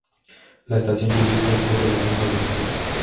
La estación lluviosa ocurre de marzo a agosto.